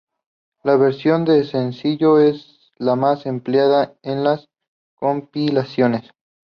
La versión de sencillo es la más empleada en las compilaciones.